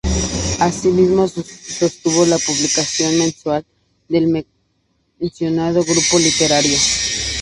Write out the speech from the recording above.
Así mismo sostuvo la publicación mensual del mencionado grupo literario.